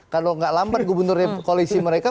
kalau gak lambat gubernur koalisi mereka